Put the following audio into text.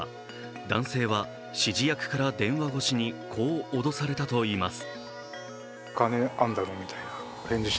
男性は、指示役から電話越しにこう脅されたといいます。